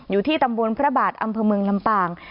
อยู่ที่ตำบลพระบาทอำเภอเมืองลำปาง